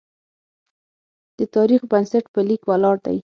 د تاریخ بنسټ په لیک ولاړ دی.